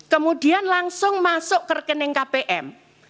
kemudian langsung masuk ke rekening kpm